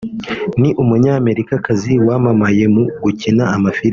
Ni umunyamerikazi wamamaye mu gukina amafilime